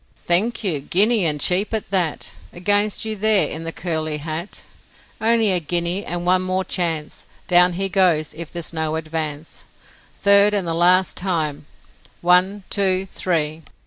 'Thank you? Guinea! and cheap at that! Against you there in the curly hat! Only a guinea, and one more chance, Down he goes if there's no advance, Third, and the last time, one! two! three!'